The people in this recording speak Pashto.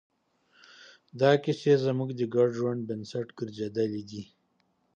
دا کیسې زموږ د ګډ ژوند بنسټ ګرځېدلې دي.